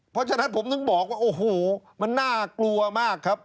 เพราะฉะนั้นผมถึงบอกว่าโอ้โหมันน่ากลัวมากครับ